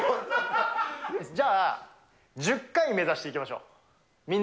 じゃあ、１０回目指していきましょう。